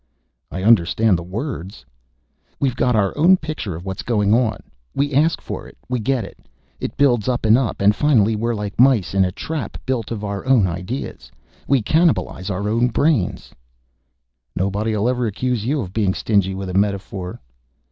"I understand the words." "We've got our own picture of what's going on. We ask for it, we get it. It builds up and up and finally we're like mice in a trap built of our own ideas. We cannibalize our own brains." "Nobody'll ever accuse you of being stingy with a metaphor."